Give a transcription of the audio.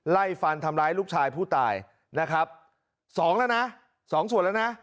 ไล่ฟันทำร้ายลูกชายผู้ตายนะครับสองแล้วนะสองส่วนแล้วนะ